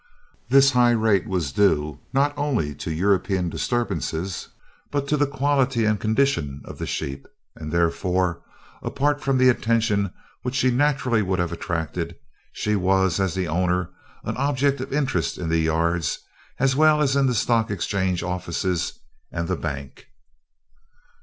This high rate was due not only to European disturbances, but to the quality and condition of the sheep; and, therefore, apart from the attention which she naturally would have attracted, she was, as the owner, an object of interest in the yards as well as in the stock exchange offices and the bank.